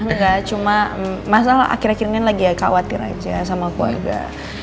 enggak cuma masalah akhir akhir ini lagi ya khawatir aja sama keluarga